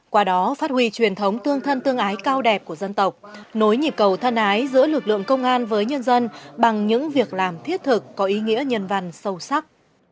qua đó phát huy truyền thống tương thân tương ái cao đẹp của dân tộc nối nhịp cầu thân ái giữa lực lượng công an với nhân dân bằng những việc làm thiết thực có ý nghĩa nhân văn sâu sắc